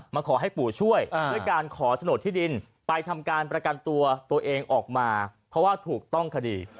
มาขอให้ปู่ช่วยด้วยการขอโฉนดที่ดินไปทำการประกันตัวตัวเองออกมาเพราะว่าถูกต้องคดี